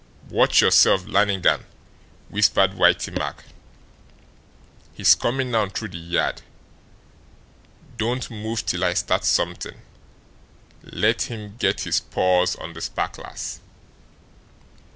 "Watch yourself, Lannigan," whispered Whitey Mack. "He's coming now through the yard! Don't move till I start something. Let him get his paws on the sparklers."